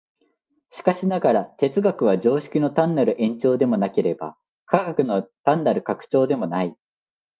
しかしながら、哲学は常識の単なる延長でもなければ、科学の単なる拡張でもない。